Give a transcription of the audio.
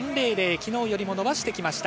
昨日より伸ばしてきました。